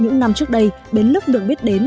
những năm trước đây bến lức được biết đến